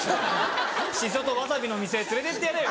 シソとワサビの店へ連れてってやれよ。